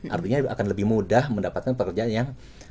artinya akan lebih mudah mendapatkan pekerjaan yang